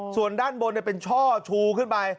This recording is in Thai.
ส่วนด้านบนเนี่ยเป็นช่อชูขึ้นมา